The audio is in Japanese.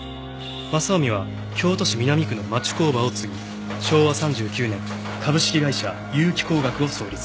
正臣は京都市南区の町工場を継ぎ昭和３９年株式会社結城光学を創立。